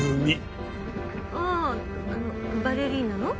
あああのバレリーナの？